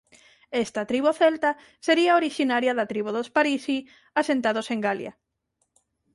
Esta tribo celta sería orixinaria da tribo dos Parisii asentados en Galia.